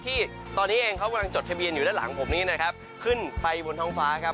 ที่ตอนนี้เองเขากำลังจดทะเบียนอยู่ด้านหลังผมนี้นะครับขึ้นไปบนท้องฟ้าครับ